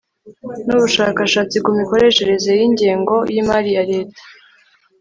n'ubushakashatsi ku mikoreshereze y'ingengo y'imali ya leta